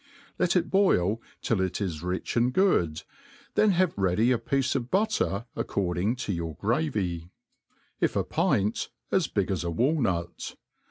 Let it boil till it is rich and good, then have ready a piece of butter, according to your gravy ; if a pint, as big as a walnut.